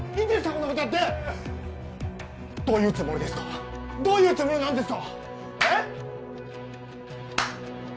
こんなことやってどういうつもりですかどういうつもりなんですかえっ？